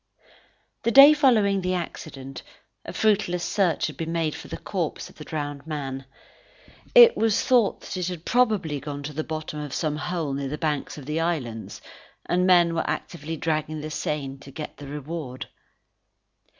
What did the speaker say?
The day following the accident, a fruitless search had been made for the corpse of the drowned man. It was thought that it had probably gone to the bottom of some hole near the banks of the islands, and men were actively dragging the Seine to get the reward.